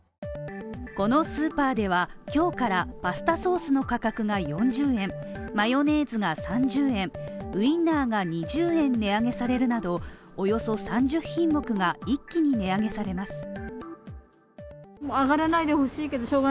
このスーパーでは今日からパスタソースの価格が４０円、マヨネーズが３０円、ウインナーが２０円値上げされるなどおよそ３０品目が一気に値上げされます。